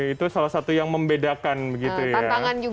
itu salah satu yang membedakan begitu ya